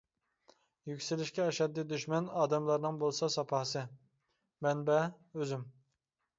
يۈكسىلىشكە ئەشەددىي دۈشمەن، ئادەملەرنىڭ بولسا ساپاسى. مەنبە:ئۆزۈم.